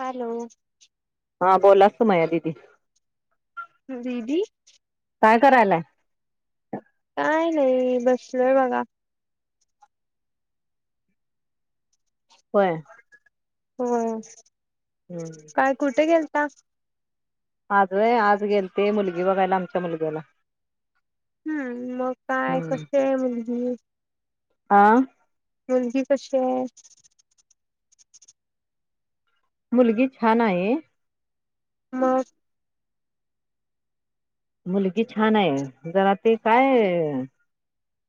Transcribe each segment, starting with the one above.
Hello बोलास माया दिदी. दिदी काय नाही, बसलोय बघा. होय [inaudible] होय हम्म काय कुठे गेल- ता? आज होय आज गेलते मुलगी गी बघायला आमच्या मुलग्याला. हम्म मग काय हम्म कस आहे मुलगी? आ मुलगी कशी आहे? मुलगी छान आहे मग मुलगी छान आहे. ते हा काय?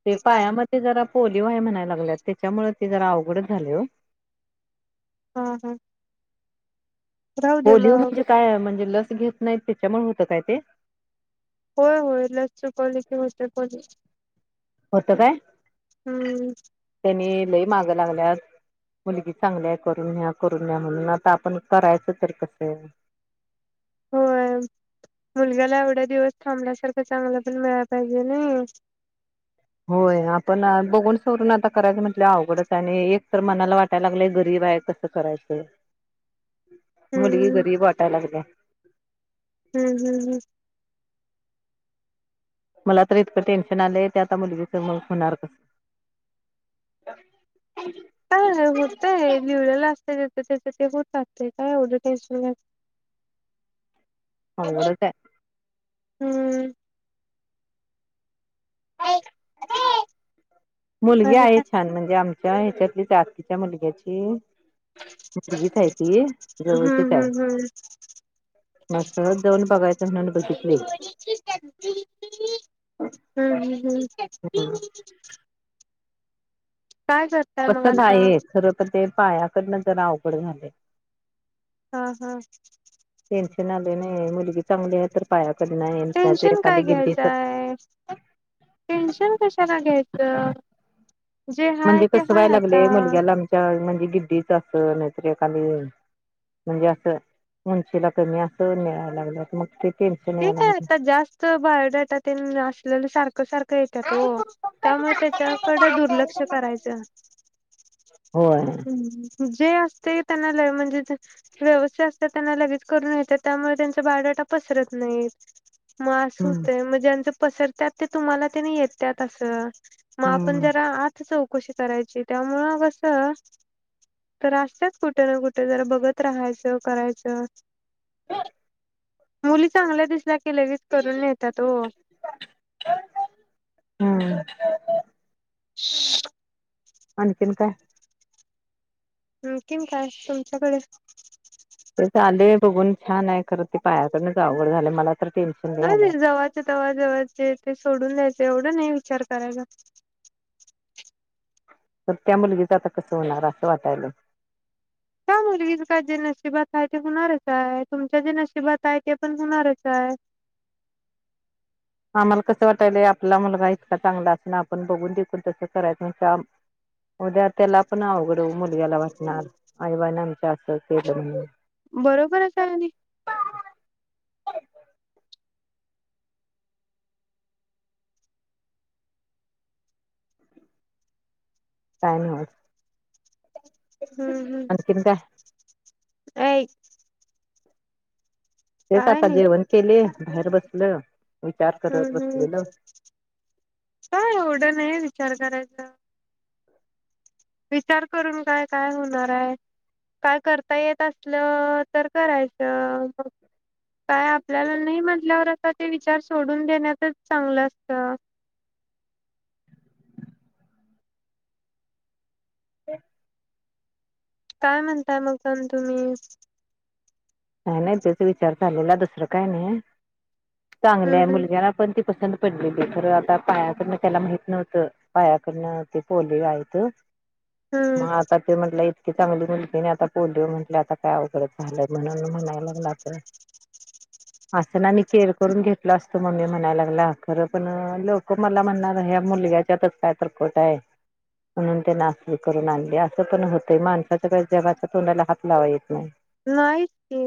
ते पायामध्ये जर पोलिओ आहे म्हणायला लागलेत त्याच्यामुळे ते जरा अवघड झाले हो. हां हां. पोलिओ म्हणजे काय म्हणजे लस घेत नाहीत त्याच्यामुळे होत काय ते. होय होय लस [unintelligible] होत काय. हम्म. त्यांनी लई माग लागल्यात मुलगी चांगल्या करून न्या करून न्या म्हणून आता आपण करायचं तर कस होय मुलग्याला एवढ्या दिवस थांबल्यासारखं चांगलं पण मिळाय पाहिजे नाही. होय आपण बघून सवरून आता करायचं म्हटल्यावर अवघडच आणि एक तर मनाला वाटायला लागलंय गरीब आहे कसं करायचं. मुलगी गरीब वाटाय लागली. हम्म हम्म हम्म. मला तर इतकं टेन्शन आलंय ते आता मुलगीच मग होणार कस? काय नाही होतय लिवलेल असतय. [unintelligible] अवघडच हाय. हम्म. काय मुलगी आहे छान म्हणजे. त्या ह्याच्यातलीच हाय आतीच्या मुलग्याची. मुलगीच आहे ती जवळचीच आहे. मग सहज जाऊन बघायचं म्हणून बघितली [unintelligible] करताय मग पसंत आता आहे खरं तर ते पाया नंतर नंतर अवघड होणार. हा हा आले नाही मुलगी चांगली आहे तर पायाकडनं आहे टेन्शन एखादी काय गिड्डी तर घ्यायचंय टेन्शन कशाला घ्यायचं. जे हाय म्हणजे ते कसं व्हाय हाय आता लागलेय मुलग्याला आमच्या... गिड्डीच असल नैतरेखाली म्हणजे असं उंचीला कमी असं मिळाय लागल्यात मग ते... टेन्शन ठीक यायला आहे लागलं. आता जास्त बायोडाटा तेन असलेल... सारख सारख येत्यात हो त्यामुळे त्याच्याकड दुर्लक्ष करायचं. होय. जे असते त्यांना ल म्हणजे व्यवस्थय असते त्यांना लगेच करून घेतात त्यामुळे त्यांचा बायडाटा पसरत नाही मग अस हम्म होतय मग ज्यांं पसरतात ते तुम्हाला त्याने येतात असं मग आपण हम्म जरा आ कशी करायची त्यामुळ कसं तर असतच कुठे ना कुठे जरा बघत राहायचं करायचं ह होल चांगल्या दिसल्या की लगेच करून येत त्यात हम्म हम आणि कन काय हम् किम काय तुमच्याकडे ते चाले बघून छान आहे खरं ती पायाकडूनच अवघड झाली मला तर टेन्शन लय नाही आलंय. जव्हाचे तवा जवाचे ते सोडून द्यायचे तेवढं नाही विचार करायचा तर त्या मुलगीच आता कसं होणार असं वाटायला का मुलगी का जे नशिबात आहे ते होणारच आहे तुमच्या जे नशिबात आहे ते पण होणारच आहे आम्हाला कसं वाटायलय आपल्याला मुगायचं का चांगलं अस ना आपण बघून टिकून तसं करायच नाही काम उद्या त्याला पण अवघर मुलग्याला वाटणार आईबाना अस ते बण बरोबर आहे काय अी कायनर हम्म हम्म काय? अ तेच आता जेवण केले बाहेर बसल विचार करत हम्म हम्म. बसलेलं करायच विचार करून काय काय होणार आहे काय करता येत असलं तर करायचं म काय आपल्याला नाही म्हटल्यावर आता ते विचार सोडून देण्यातच चांगलं असत ह काय म्हणताय मग पण तुम्ही नाही नाही त्याचा विचार झालेला दुसरं काय नाही चांगलंय हम्म हम्म मुलग्याला पण ती पसंत पडले ब खर आता पायाकडनं त्याला माहित नव्हतं पायाकडन ते पोले हम्म मग आता ते म्हटलं चांगली मुलगीने आता पोलिओ म्हटले आता काय अघडत झालं. म्हणून म्हणायला लागला असं ना म केअर करून घेतला असतो मम्मी म्हणाय लागला खरं पण लोक मला म्हणणार ह्या मुलग्याच्यातच काय तरकोट आहे म्हणून त्यां नास करून आणली असं पण होतंय माणसाच काही जबाचा तोडला हात लावा येत नाही. नाही च् की.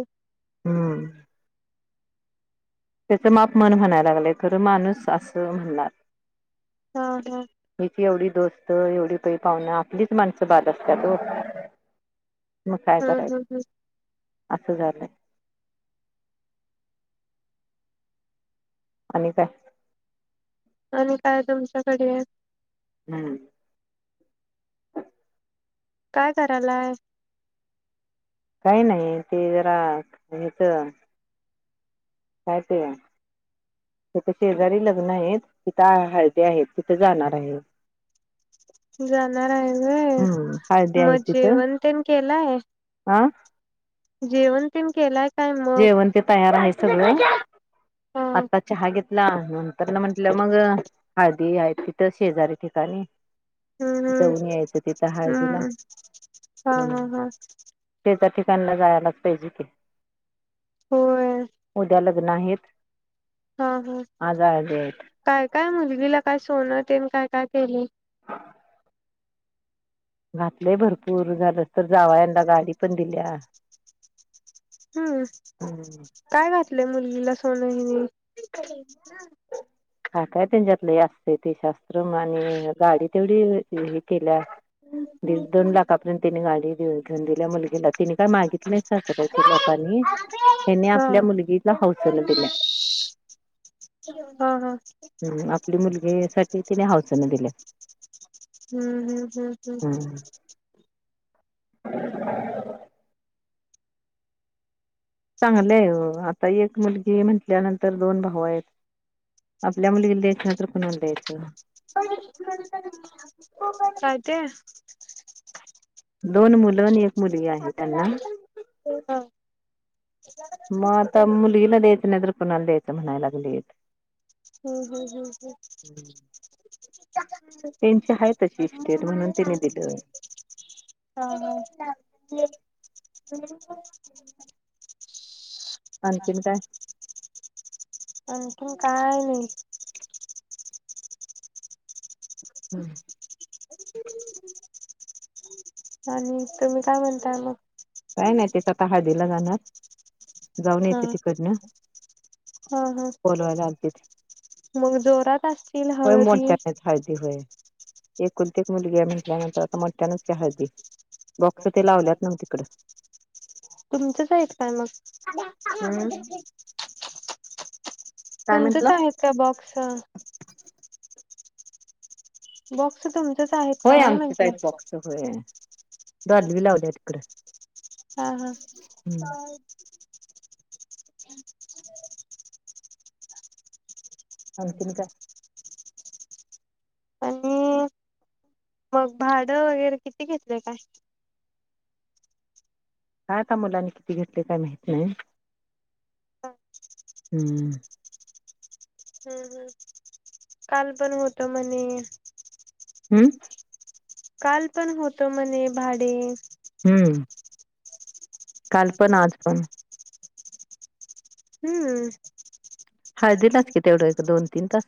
त्याच माप म्हन म्हणाय लागले तर माणूस असं म्हणणार. हा हा मी च एवढी. दोस्त एवढी पई पाहुन आपलीच माणसं बाद असतात ओ. मग काय हम्म हम्म हम्म करायचं असं झालंय. आणि काय. आणि काय तुमच्याकडे. हम्म. काय करायलाय. नाही नाही ते जरा घरच. काय ते या तिथ शेजारी लग्न आहेत तिथं हळदि आहेत तिथे जाणार हाय मी. जाणार आहे व्हय हम्म हळदी मग आहे तिथं जेवण तेन केलाय. हा जेवण तेन केलाय. काय मग जेवण ते तयार आहे सगळं हा हम्म आता चहा घेतला नंतर न म्हंटलं मग. हळदी आहे तिथं शेजारी ठिकाणी. हम्म जाऊन यायचं तिथं हळदीला हम्म हा हम् हा हा शेजार ठिकाणी. ठिकाणला जायलाच पाहिजे की. होय उद्याला. नाहीत. हा हा काय काय मुली. मुलगिला काय सोन तेन आणि काय काय केले. घातलंय भरपूर झालंस तर जावायाला गाडी पण दिल्या. हम्म हम्म काय घातले मुली. मुलीला सोन ह. हा काय त्यांच्यात लई असतय. ते शात्र आणि गाडी तेवढी हे केल्या दीड दोन लाखापर्यंत त्याने गाडी. जला मुली [inaudible] तिने काय मागितलं नाही सासरच्या लोकांनी हेनी हा आपल्या मुलगीला हौसन दिल्या. हा, हा, हम्म आपली मुलगी साठी तिने हौसन दिल्या हम्म, हम्म, हम्म, हम्म. चांगलंय हो. आता एक मुलगी म्हटल्यानंतर दोन भाऊ आहेत. आपल्या मुलगीला द्यायचं नाही तर कुणाला द्यायचं काय ते? दोन मुलं आणि एक मुलगी आहे त्यांना- म आता मुलगीला देत- नायतर कुणाला द्यायचं म्हणाय लागलेत. हम्म हम्म हम्म हम्म त्यांचे हायेत. तशीे इस्टेट म्हणून तिने दिलंय. हा हा [unintelligible] आणखीन - आणखिन काय -नाही. हम्. आणि तुम्ही काय म्हणताय म? काय नाही, तेिथं आता हळदीला जाणार. जाऊन हा येते तिकडन. हा हा बोलवायला आलते. मग जोरात असतील होय हळदी मोठ्या आहेत. हळदी होय. एकुलती एक मुलगी आहे म्हंटल्यानंतर- मोट्यांच की हळदी. बॉक्स ते लावल्यात म्हणं तिकडं. तुमचच आहेत काय मग? हम्म काय तुमचच म्हंटला आहेत का बॉक्स? [inaudible] बॉक्स तुम- आहेत होय काय आमचेच आहेत म्हंटल? बॉक्स होय डॉल्बी लावल्या तिकडं हा ह. हम्म काय - [unintelligible] आणखीन काय? आणि -मग भाड वगैरे किती घेतलंय काय? काय आता मुलांनी किती घेतलय काय माहिती नाही. हम्म. हम् हम् काल पण होत म्हणे? हम्म. काल पण होत म्हणे भाडे? हम्म. काल पण, आज पण. हम्म. हळदीलाच कि तेवढं एक, दोन, तीन तास.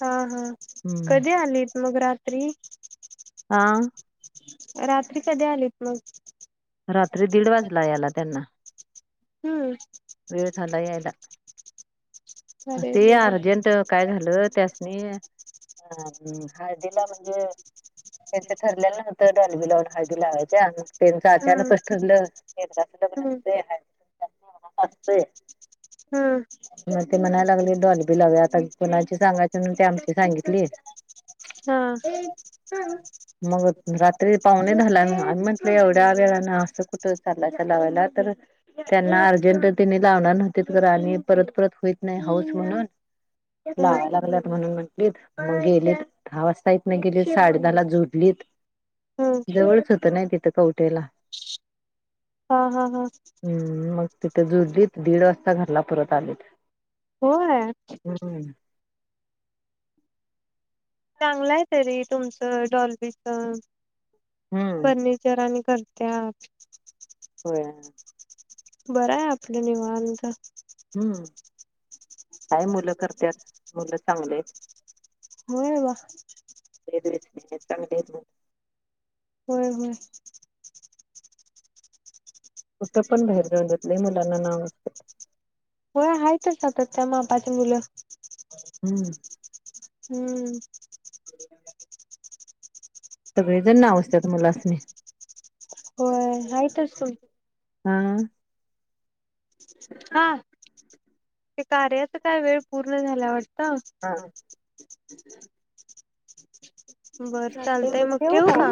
हा हा कधी आलीत मग रात्री? त्री आ रात्री कधी आलीस, मग. रात्री दीड वाजला याला त्यांना. हम्म. वेळ झाला यायला. अरे ते अर्जेंट काय झालं, त्यासनी हा हम्. हाळदीला म्हणजे हेथ ठरलेलं नवतं डॉल्बी लावून हळदी लावायच्या त्यांचं हम्म अचानकच ठरलं एकदाचं लग्न हम्म हुतय असतय. हम. म ते म्हणायला लागले डॉल्बी लावूयात. कुणाची सांगायची म्हणून ती आमची सांगितली. हा मग रात्री पाहुणे दहाला आणि म्हंटलं एवढ्या वेळाने असं कुठ ला लावायला तर त्यांना अर्जंट त्यांनी लावणार न्हवतीत खर आणि परत परत होईत नाही हौस म्हणून हम्म लावा लागल्यात म्हणून म्हटलीत मग गेलीत दहा वाजता इतन गेलीत साडेदाला झोपलीत, हम्म जवळच होत नाही तिथं कवठेला. हा हा हा हम्म मग तिथ दुद दीद दिड वाज घरला परत चालेत. हो हाय. चांगलंय तरी तुमचं डॉल्बीच. हम्म फर्निचर आणि कर त्यात होय बराय आपल निवांत. हम्म काय मुलं करत्यात, मुलं चांगली येत. होय बा चांगली येत होय, होय. कुठ पण बाहेर जाऊन देत, लय मुलांना नाव असतय. हो आहेतच आता, त्या मापाची मुलं. हम्. हम्म. सगळेजण नाव असतात मुलासनी होय, हायतच सोड. हा हा ते कार्याच काय वेळ पूर्ण झाल्या वाटत हा ह च बर चालतंय मग ठेऊू का?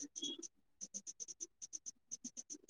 च